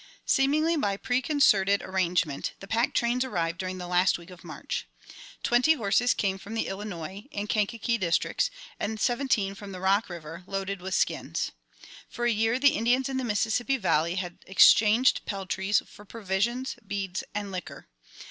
Seemingly by preconcerted arrangement, the pack trains arrived during the last week of March. Twenty horses came from the Illinois and Kankakee districts, and seventeen from the Rock River, loaded with skins. For a year the Indians in the Mississippi valley had exchanged peltries for provisions, beads, and liquor.